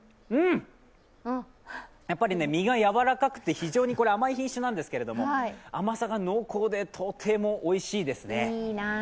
やっぱり実が柔らかくて甘い品種なんですけど甘さが濃厚で、とてもおいしいですね。